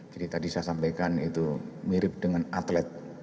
jadi tadi saya sampaikan itu mirip dengan atlet